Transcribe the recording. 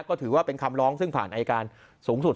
ก็ถือว่าเป็นคำร้องซึ่งผ่านอายการสูงสุด